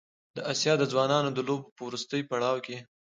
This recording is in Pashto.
د اسیا د ځوانانو د لوبو په وروستي پړاو کې